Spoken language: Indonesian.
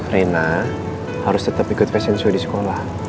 rena harus tetap ikut fashion show di sekolah